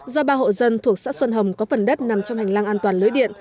do ba hộ dân thuộc xã xuân hồng có phần đất nằm trong hành lang an toàn lưới điện